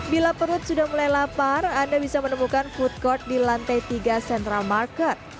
bila perut sudah mulai lapar anda bisa menemukan food court di lantai tiga central market